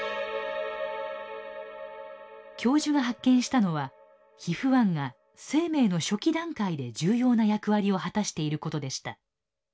教授が発見したのはＨＩＦ−１が生命の初期段階で重要な役割を果たしていることでした。